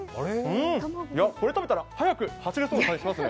これ食べたら速く走れそうな感じがしますね。